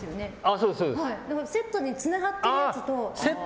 セットでつながってるやつと。